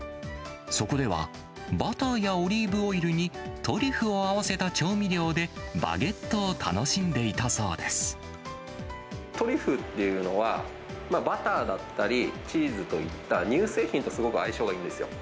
そこでは、バターやオリーブオイルにトリュフを合わせた調味料で、トリュフっていうのは、バターだったり、チーズといった乳製品とすごく相性がいいんですよ。